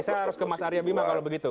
saya harus ke mas arya bima kalau begitu